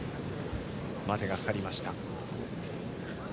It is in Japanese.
待てがかかりました。